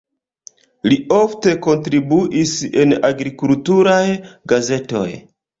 Li ofte kontribuis en agrikulturaj gazetoj.